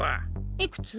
いくつ？